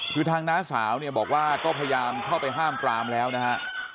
คือทางน้าสาวเนี่ยบอกว่าก็พยายามเข้าไปห้ามปรามแล้วนะฮะ